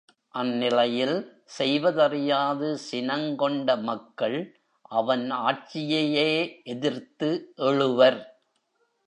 அந்நிலையில், செய்வதறியாது சினங் கொண்ட மக்கள் அவன் ஆட்சியையே எதிர்த்து எழுவர்.